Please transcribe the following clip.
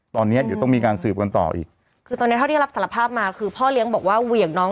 ตอนเนี้ยเดี๋ยวต้องมีการสืบกันต่ออีกคือตอนเนี้ยเท่าที่รับสารภาพมาคือพ่อเลี้ยงบอกว่าเหวี่ยงน้อง